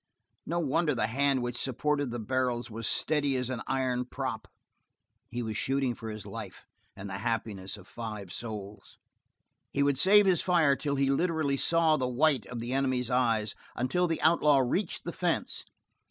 No wonder the hand which supported the barrels was steady as an iron prop. He was shooting for his life and the happiness of five souls! He would save his fire till he literally saw the white of the enemy's eyes: until the outlaw reached the fence.